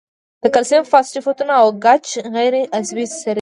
د کلسیم فاسفیټونه او ګچ غیر عضوي سرې دي.